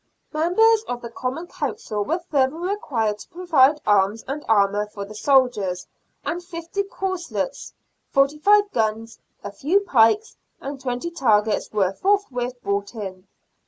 Members of the Common Council were further required to provide arms and armour for the soldiers, and fifty corslets, forty five guns, a few pikes, and twenty targets were forthwith brought in.